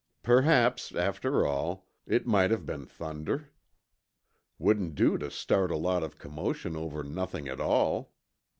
Perhaps, after all, it might have been thunder. Wouldn't do to start a lot of commotion over nothing at all.